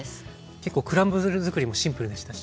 結構クランブルづくりもシンプルでしたし。